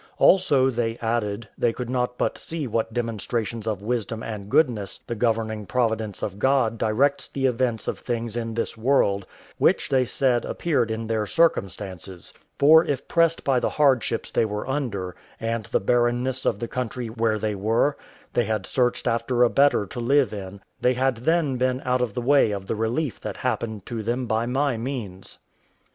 Also, they added, they could not but see with what demonstrations of wisdom and goodness the governing providence of God directs the events of things in this world, which, they said, appeared in their circumstances: for if, pressed by the hardships they were under, and the barrenness of the country where they were, they had searched after a better to live in, they had then been out of the way of the relief that happened to them by my means.